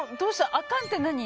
アカンって何？